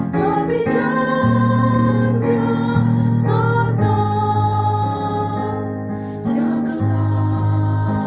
haleluya haleluya dengan kemuliaan